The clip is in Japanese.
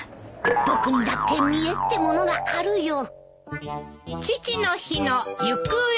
僕にだって見えってものがあるよ。